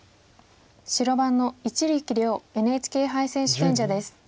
白番の一力遼ＮＨＫ杯選手権者です。